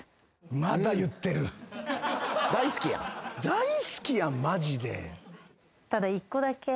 大好きやんマジで。